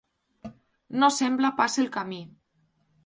No sembla pas el camí.